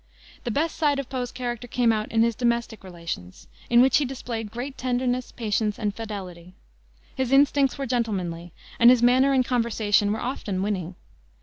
The best side of Poe's character came out in his domestic relations, in which he displayed great tenderness, patience and fidelity. His instincts were gentlemanly, and his manner and conversation were often winning.